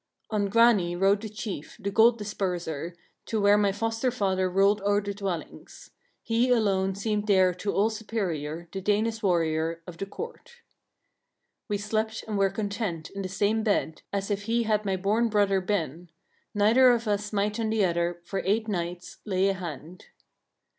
11. On Grani rode the chief, the gold disperser, to where my foster father ruled o'er the dwellings. He alone seemed there to all superior, the Danish warrior, of the court. 12. We slept and were content in the same bed, as if he had my born brother been; neither of us might on the other, for eight nights, lay a hand.